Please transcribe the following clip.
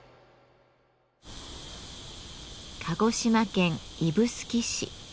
鹿児島県指宿市。